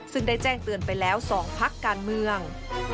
ซึ่งได้แจ้งเตือนไปแล้ว๒พักการเมือง